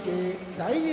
・大栄